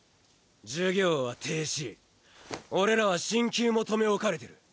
授業は停止俺らは進級も留め置かれてる。